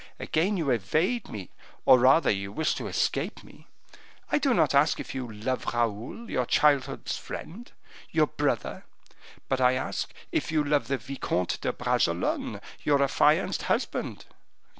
Again you evade me, or rather, you wish to escape me. I do not ask if you love Raoul, your childhood's friend, your brother; but I ask if you love the Vicomte de Bragelonne, your affianced husband?"